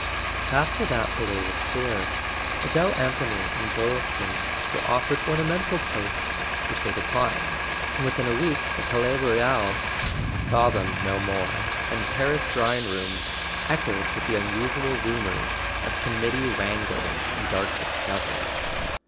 After that the way was clear. Adele Anthony and Boylston were offered ornamental posts which they declined, and within a week the Palais Royal saw them no more, and Paris drawing rooms echoed with the usual rumours of committee wrangles and dark dis¬ coveries.